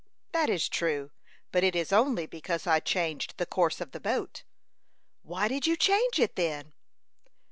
"That is true; but it is only because I changed the course of the boat." "Why did you change it, then?"